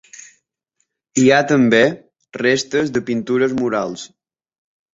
Hi ha també restes de pintures murals.